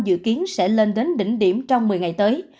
dự kiến sẽ lên đến đỉnh điểm trong một mươi ngày tới